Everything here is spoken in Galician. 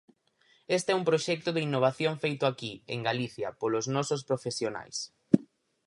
Este é un proxecto de innovación feito aquí, en Galicia, polos nosos profesionais.